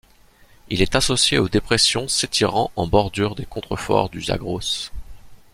Il est associé aux dépressions s'étirant en bordure des contreforts du Zagros.